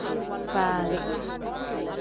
Faali.